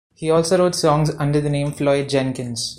He also wrote songs under the name Floyd Jenkins.